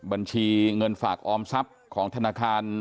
บัญชีเงินฝากออมทรัพย์ของธนาคาร